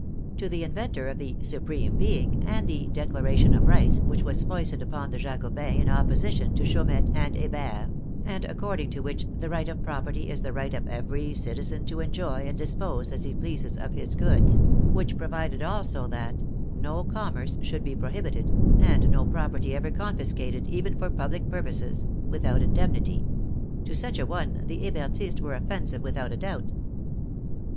To the Inventor of the " Supreme Being " and the *' Declaration of Rights," which was foisted upon the Jacobins in opposition to Chaumette and Hebert, and according to which " the right of property is the right of every citizen to enjoy and dispose as he pleases of his goods," which provided also that " no commerce should be prohibited," and no property ever confiscated even for 95 9^ THE FRENCH REVOLUTION public purposes without indemnity "— to such a one the Hebertists were offensive without doubt.